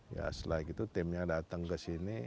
ya setelah itu timnya datang ke sini